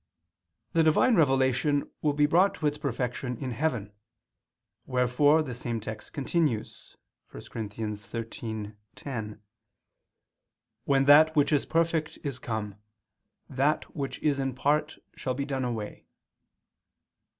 The Divine revelation will be brought to its perfection in heaven; wherefore the same text continues (1 Cor. 113:10): "When that which is perfect is come, that which is in part shall be done away."